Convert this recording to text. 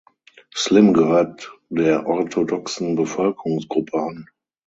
Slim gehört der orthodoxen Bevölkerungsgruppe an.